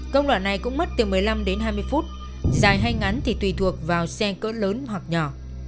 công đoạn này cũng mất từ một mươi năm đến hai mươi phút dài hay ngắn thì tùy thuộc vào xe cỡ lớn hoặc nhỏ